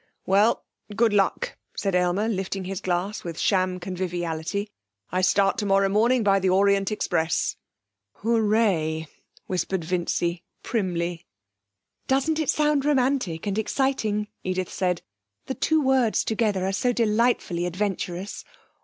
'Well! Good luck!' said Aylmer, lifting his glass with sham conviviality.' I start tomorrow morning by the Orient Express.' 'Hooray!' whispered Vincy primly. 'Doesn't it sound romantic and exciting?' Edith said. 'The two words together are so delightfully adventurous.